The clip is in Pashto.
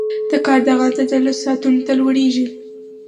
د کار دغه اندازه لسو ساعتونو ته لوړېږي